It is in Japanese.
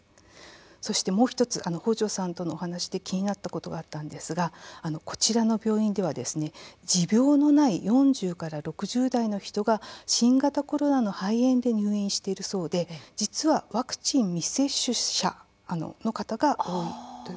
そしてもう１つ、放生さんとのお話で気になったことがあったんですがこちらの病院では持病のない４０代から６０代の人が新型コロナの肺炎で入院しているそうで実はワクチン未接種者の方が多いということなんです。